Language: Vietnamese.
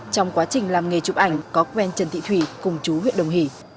trong quá trình làm nghề chụp ảnh có quen trần thị thủy cùng chú huyện đồng hỷ